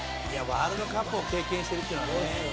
「ワールドカップを経験してるっていうのはね」